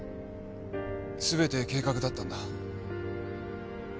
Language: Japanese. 全て計画だったんだ。